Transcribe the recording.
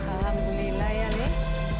alhamdulillah ya lek